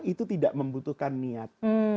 itu tidak membutuhkan niat